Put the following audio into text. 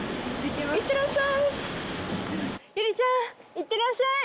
いってらっしゃい。